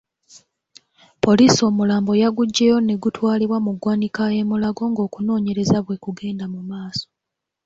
Poliisi omulambo yaguggyeyo ne gutwalibwa mu ggwanika e Mulago ng'okunoonyereza bwe kugenda mu maaso.